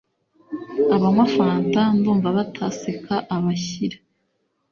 Abanywa Fanta ndumva bataseka abashyira